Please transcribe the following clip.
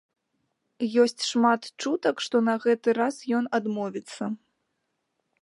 Ёсць шмат чутак, што на гэты раз ён адмовіцца.